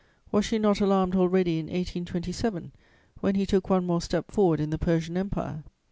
Was she not alarmed already in 1827, when he took one more step forward in the Persian Empire?